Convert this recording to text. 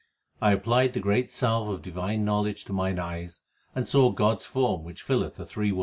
I applied the great salve of divine knowledge to mine eyes, and saw God s form which filleth the three worlds.